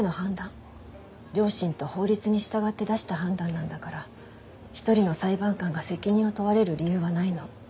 良心と法律に従って出した判断なんだから一人の裁判官が責任を問われる理由はないの。